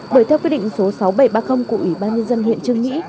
bởi theo quyết định số sáu nghìn bảy trăm ba mươi của ủy ban nhân dân huyện trương mỹ